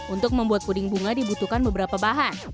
untuk membuat puding bunga dibutuhkan beberapa bahan